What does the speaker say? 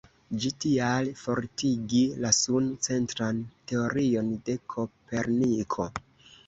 Ĝi tial fortigis la sun-centran teorion de Koperniko.